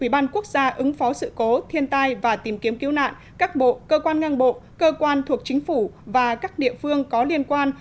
ba ứng phó sự cố thiên tai và tìm kiếm cứu nạn các bộ cơ quan ngang bộ cơ quan thuộc chính phủ và các địa phương có liên quan